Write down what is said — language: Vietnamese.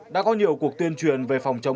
đã có nhiều cuộc tuyên truyền về phòng chống